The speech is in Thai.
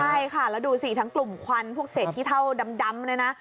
ใช่ค่ะแล้วดูสิทั้งกลุ่มควันพวกเศษขี้เท่าดำเลยนะ